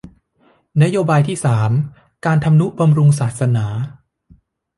นโยบายที่สามการทำนุบำรุงศาสนา